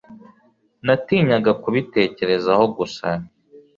Natinyaga kubitekerezaho gusa. (___)